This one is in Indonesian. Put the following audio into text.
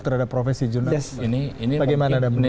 terhadap profesi junaid